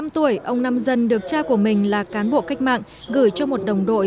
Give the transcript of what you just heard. một mươi tuổi ông nam dân được cha của mình là cán bộ cách mạng gửi cho một đồng đội